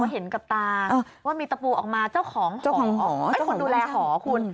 เห็นกับตาว่ามีตะปูออกมาเจ้าของเจ้าของคนดูแลหอคุณ